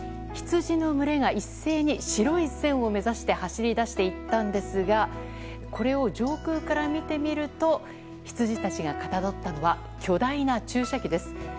羊の群れが一斉に白い線を目指して走り出していったんですがこれを上空から見てみると羊たちがかたどったのは巨大な注射器です。